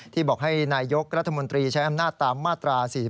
บอกให้นายกรัฐมนตรีใช้อำนาจตามมาตรา๔๔